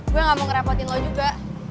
gue gak mau ngerepotin lo juga